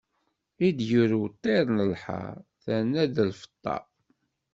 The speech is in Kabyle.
I d-yurew ṭṭir lḥeṛ, terna-d lfeṭṭa.